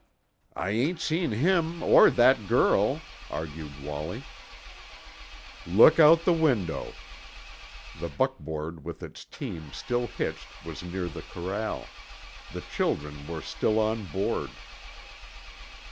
"I ain't seen him or that girl," argued Wallie. "Look out the window." The buckboard with its team still hitched was near the corral. The children were still on board.